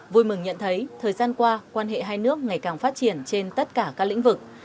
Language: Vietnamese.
vui mừng nhận thấy thời gian qua quan hệ hai nước ngày càng phát triển trên tất cả các lĩnh vực